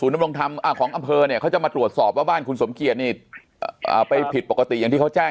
ไอ้ที่ว่าลงข่าวไว้ว่าผมเปิดอู๋มาแปดปีไหนคือมันก็นะมันก็ไม่ใช่ความจริง